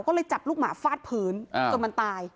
ก็เลยจับลูกหมาฟาดพื้นจนมันตาย